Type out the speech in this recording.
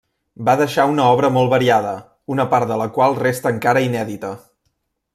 Va deixar una obra molt variada una part de la qual resta encara inèdita.